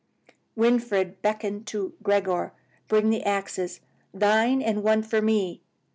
Winfried beckoned to Gregor. "Bring the axes, thine and one for me.